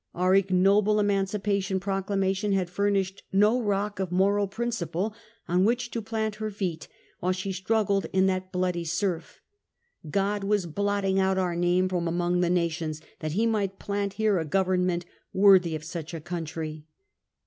Our ignoble Emancipation Pro clamation had furnished no rock of moral principle on which to plant her feet while she struggled in that bloody surf. God was blotting out our name from among the nations, that he miglit plant here a gov ernment worthy of such a country.